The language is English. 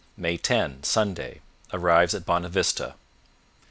May 10 Sunday Arrives at Bonavista.